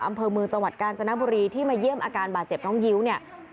อำเภอเมืองจังหวัดกาญจนบุรีที่มาเยี่ยมอาการบาดเจ็บน้องยิ้วเนี่ย